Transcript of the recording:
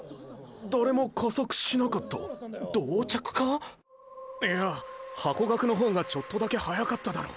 誰も加速しなかった⁉同着か⁉いやハコガクの方がちょっとだけ速かっただろ！